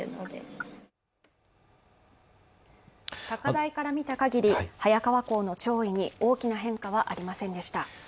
高台から見た限り、早川港の潮位に大きな変化はありませんでした